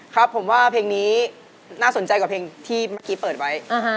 ครับผมว่าเพลงนี้น่าสนใจกว่าเพลงที่เมื่อกี้เปิดไว้